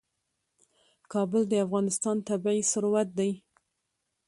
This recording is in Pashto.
کابل د افغانستان طبعي ثروت دی.